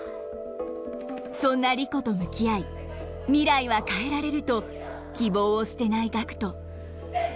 そんなリコと向き合い未来は変えられると希望を捨てないガクト。